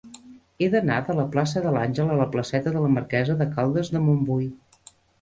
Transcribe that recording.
He d'anar de la plaça de l'Àngel a la placeta de la Marquesa de Caldes de Montbui.